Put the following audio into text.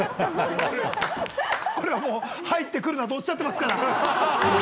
これはもう入ってくるなとおっしゃってますから。